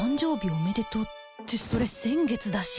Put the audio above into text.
おめでとうってそれ先月だし